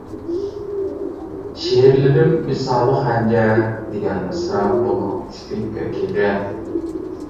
شېئىرلىرىم مىسالى خەنجەر دېگەن مىسرا بۇنىڭ تىپىك ۋەكىلى.